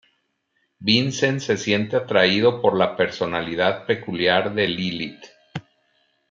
Vincent se siente atraído por la personalidad peculiar de Lilith.